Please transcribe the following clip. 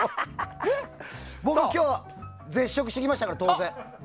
僕は今日絶食してきましたから当然。